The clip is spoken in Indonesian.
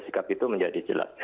sikap itu menjadi jelas